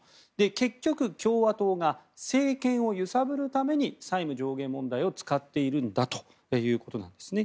結局、共和党が政権を揺さぶるために債務上限問題を使っているんだということなんですね。